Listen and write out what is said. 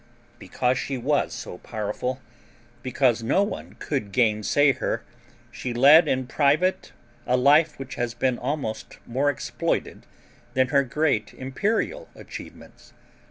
Because she was so powerful, because no one could gainsay her, she led in private a life which has been almost more exploited than her great imperial achievements.